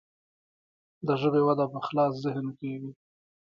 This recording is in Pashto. د ژبې وده په خلاص ذهن کیږي.